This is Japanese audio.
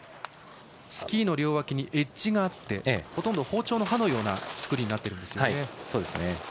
スキーの両脇にエッジがあってほとんど包丁の刃のような作りになっているんですね。